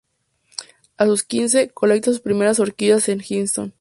A sus quince, colecta sus primeras orquídeas en Easton.